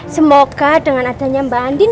semoga dengan adanya mbak andin